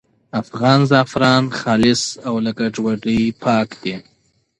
افغان زعفران خالص او له ګډوډۍ پاک دي.